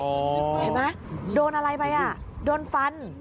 เห็นไหมโดนอะไรไปอ่ะโดนฟัน